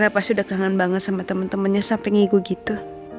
pasti udah kangen banget sama temen temennya sampai ngiku gitu